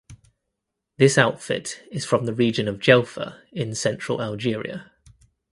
This outfit is from the region of Djelfa of central Algeria.